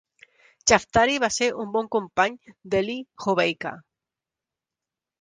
Chaftari va ser un bon company d'Elie Hobeika.